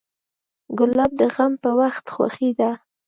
ګلاب د غم په وخت خوښي ده.